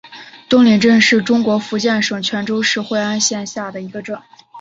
东岭镇是中国福建省泉州市惠安县下辖的一个镇。